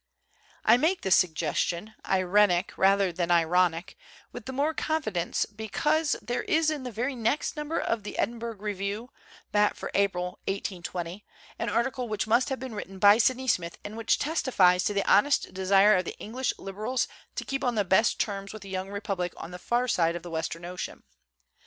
I make this suggestion, irenic rather than ironic with the more confidence because there is in the very next number of the Edinburgh Review, that for April 1820, an article which must have been written by Sydney Smith and which testifies to the honest desire of the English liberals to keep on the best of terms with the young republic on the far side of the Western THE CENTENARY OF A QUESTION Ocean.